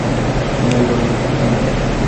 তুমি বলতে পারলে না।